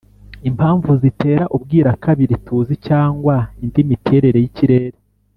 ” impamvu zitera ubwirakabiri tuzi cyangwa indi miterere y’ikirere,